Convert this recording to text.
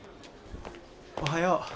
おはよう。